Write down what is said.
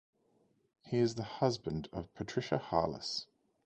He is the husband of Patricia Harless.